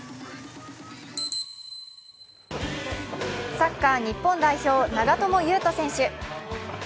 サッカー日本代表・長友佑都選手。